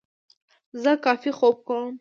زه کافي خوب کوم.